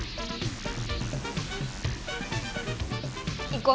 行こう！